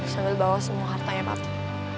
sambil bawa semua hartanya papi